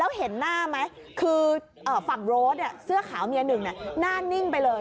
แล้วเห็นหน้าไหมคือฝั่งโรสเสื้อขาวเมียหนึ่งหน้านิ่งไปเลย